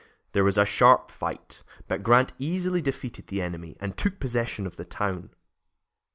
There was a sharp fight, but Grant easily defeated the enemy, and took possession of the town.